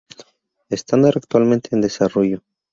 Estándar actualmente en desarrollo.